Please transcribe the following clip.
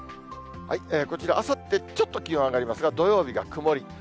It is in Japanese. こちら、あさってちょっと気温上がりますが、土曜日が曇り。